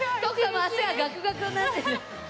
もう足がガクガクになってるね。